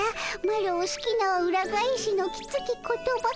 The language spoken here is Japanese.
マロを好きな裏返しのきつき言葉。